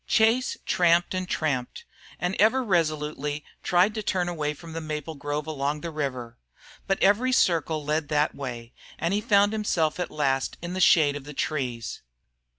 Chase tramped and tramped, and ever resolutely tried to turn away from the maple grove along the river. But every circle led that way, and he found himself at last in the shade of the trees.